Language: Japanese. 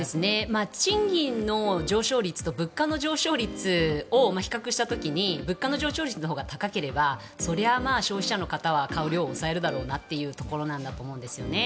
賃金の上昇率と物価の上昇率を比較した時に物価の上昇率のほうが高ければそれは消費者の方は買う量を抑えるだろうなというところなんですよね。